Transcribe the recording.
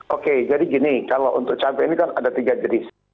oke jadi gini kalau untuk cabai ini kan ada tiga jenis